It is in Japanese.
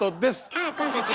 あっコンサート？